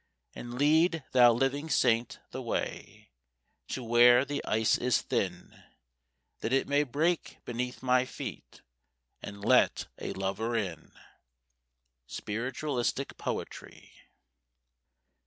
And lead, thou living saint, the way To where the ice is thin, That it may break beneath my feet, And let a lover in. _Spiritualistic Poetry.